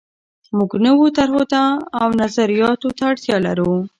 موږ نویو طرحو او نظریاتو ته اړتیا لرو.